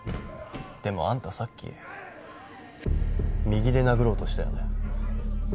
でもあんたさっき右で殴ろうとしたよね。